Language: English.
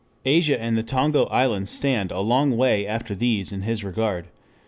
Asia and the Tongo Islands stand a long way after these in his regard....